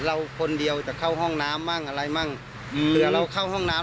เราคนเดียวจะเข้าห้องน้ำมั่งอะไรมั่งเผื่อเราเข้าห้องน้ำ